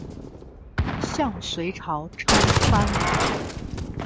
向隋朝称藩。